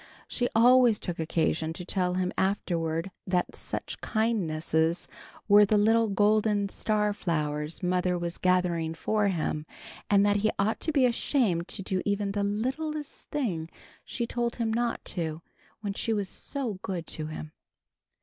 She always took occasion to tell him afterward that such kindnesses were the little golden star flowers mother was gathering for him, and that he ought to be ashamed to do even the littlest thing she told him not to, when she was so good to him.